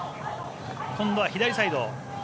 今度は左サイド。